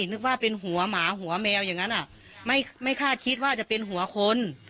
นึกว่าเป็นหัวหมาหัวแมวอย่างนั้นไม่คาดคิดว่าจะเป็นหัวคน